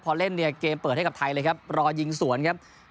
พอเล่นเนี่ยเกมเปิดให้กับไทยเลยครับรอยิงสวนครับ